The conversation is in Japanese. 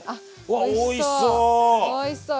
わっおいしそう！